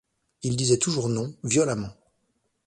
Il disait toujours non, violemment.